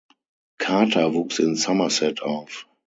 Carter wuchs in Somerset auf.